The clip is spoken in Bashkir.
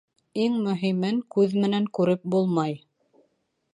Иң мөһимен күҙ менән күреп булмай.